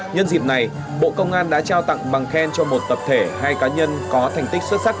nhân dịp này bộ công an đã trao tặng bằng khen cho một tập thể hai cá nhân có thành tích xuất sắc